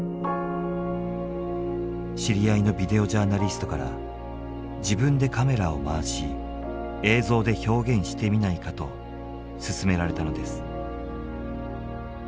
知り合いのビデオジャーナリストから自分でカメラを回し映像で表現してみないかと勧められたのです。